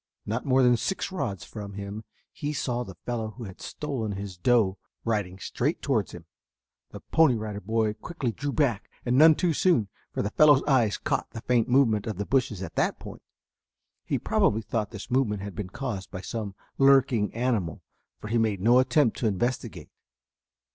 Not more than six rods from him he saw the fellow who had stolen his doe riding straight towards him. The Pony Rider Boy quickly drew back and none too soon, for the fellow's eyes caught the faint movement of the bushes at that point. He probably thought this movement had been caused by some lurking animal, for he made no attempt to investigate.